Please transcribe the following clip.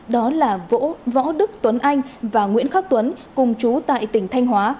đó là võ đức tuấn anh và nguyễn khắc tuấn cùng chú tại tỉnh thanh hóa